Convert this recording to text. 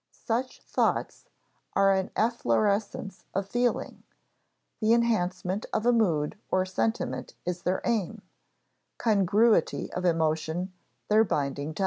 Such thoughts are an efflorescence of feeling; the enhancement of a mood or sentiment is their aim; congruity of emotion, their binding tie.